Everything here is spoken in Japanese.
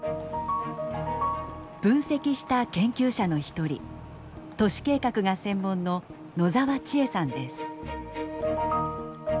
分析した研究者の一人都市計画が専門の野澤千絵さんです。